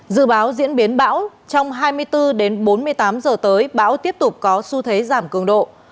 dự báo diễn biến bão trong hai mươi bốn đến bốn mươi tám giờ tới bão tiếp tục có xu thế giảm cường độ